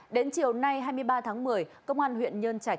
đến chiều nay hai mươi ba tháng một mươi công an huyện nhân trạch